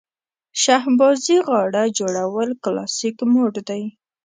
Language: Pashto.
شهبازي غاړه جوړول کلاسیک موډ دی.